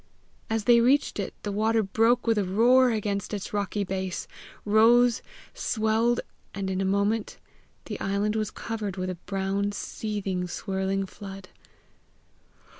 As they reached it, the water broke with a roar against its rocky base, rose, swelled and in a moment the island was covered with a brown, seething, swirling flood.